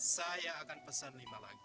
saya akan pesan lima lagi